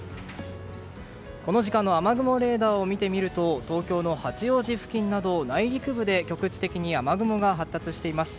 この時間の雨雲レーダーを見てみると東京の八王子付近など内陸部で局地的に雨雲が発達しています。